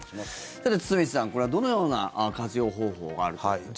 さて、堤さんこれはどのような活用方法があるんでしょう。